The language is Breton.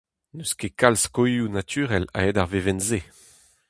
N'eus ket kalz skoilhoù naturel a-hed ar vevenn-se.